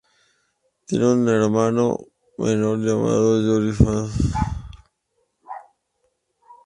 Tiene un hermano menor llamado Yan Fan.